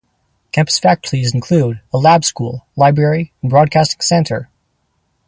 Campus facilities include a lab school, library, and broadcasting center.